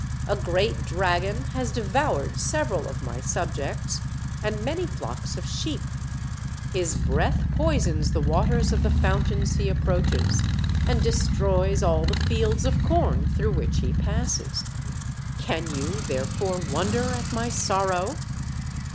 A great dragon has devoured several of my subjects, and many flocks of sheep; his breath poisons the waters of the fountains he approaches, and destroys all the fields of corn through which he passes. Can you, therefore, wonder at my sorrow?"